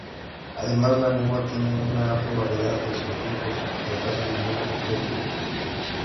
Además la lengua tiene una amplia variedad de sufijos, pero casi ningún prefijo.